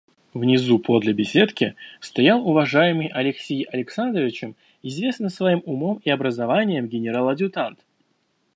Внизу подле беседки стоял уважаемый Алексей Александровичем, известный своим умом и образованием генерал-адъютант.